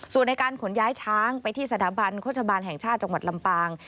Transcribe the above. ส่วนในการขนย้ายช้างไปที่สถาบันโฆษบาลแห่งชาติจังหวัดลำปาง